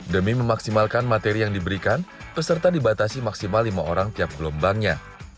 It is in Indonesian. demi memaksimalkan materi yang diberikan peserta dibatasi maksimal lima orang tiap gelombangnya